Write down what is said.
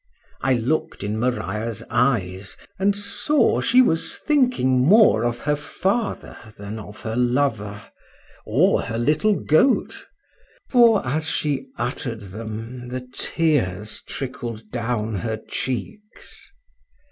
I look'd in Maria's eyes and saw she was thinking more of her father than of her lover, or her little goat; for, as she utter'd them, the tears trickled down her cheeks.